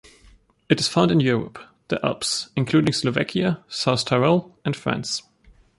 It is found in Europe: the Alps, including Slovakia, South Tyrol and France.